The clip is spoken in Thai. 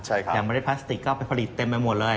เฉพาะยิ่งทุนแบบปลาสติกก็ไปผลิตเต็มไปหมดเลย